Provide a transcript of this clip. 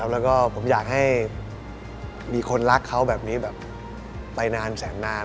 แล้วก็ผมอยากให้มีคนรักเขาแบบนี้แบบไปนานแสนนาน